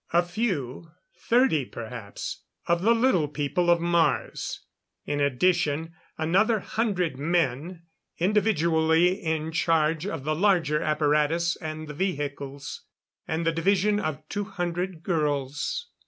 A few thirty perhaps of the Little People of Mars. In addition, another hundred men, individually in charge of the larger apparatus and the vehicles. And the division of two hundred girls.